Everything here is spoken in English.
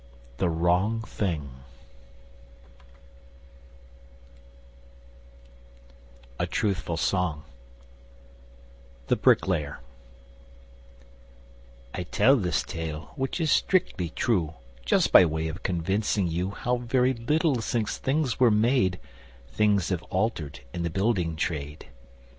THE WRONG THING A Truthful Song THE BRICKLAYER: I tell this tale, which is strictly true, just by way of convincing you How very little since things were made Things have altered in the building trade.